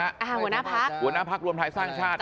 หัวหน้าภักร์จับไม้ด้วยนะหัวหน้าภักร์หัวหน้าภักร์รวมไทยสร้างชาติ